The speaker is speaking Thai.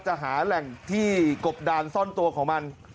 หาแหล่งที่กบดานซ่อนตัวของมัน